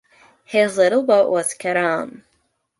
His little boat was cut out.